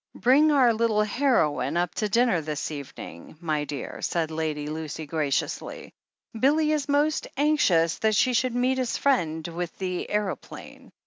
"Bring our little heroine up to dinner this evening. 352 THE HEEL OF ACHILLES my dear," said Lady Lucy graciously. "Billy is most anxious that she should meet his friend with the aero plane.